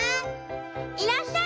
「いらっしゃい。